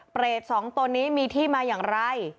เปรตสองตนนี้มีที่มาอย่างไร